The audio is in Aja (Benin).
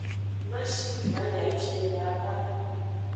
Ma shi ju ayi afieme ava.